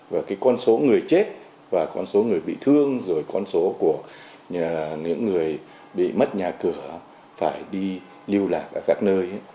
và cái con số người chết và con số người bị thương rồi con số của những người bị mất nhà cửa phải đi lưu lạc ở các nơi